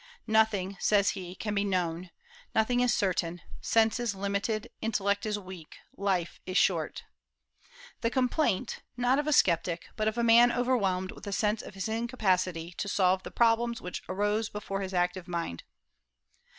"Nothing," says he, "can be known; nothing is certain; sense is limited, intellect is weak, life is short," the complaint, not of a sceptic, but of a man overwhelmed with the sense of his incapacity to solve the problems which arose before his active mind.